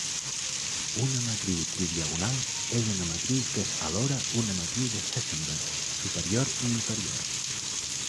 Una matriu tridiagonal és una matriu que és alhora una matriu de Hessenberg superior i inferior.